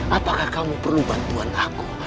apakah kamu perlu bantuan aku